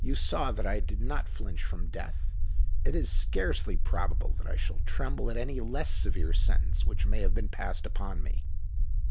"You saw that I did not flinch from death: it is scarcely probable that I shall tremble at any less severe sentence which may have been passed upon me."